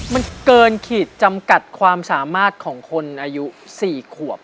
มันเกินขีดจำกัดความสามารถของคนอายุ๔ขวบ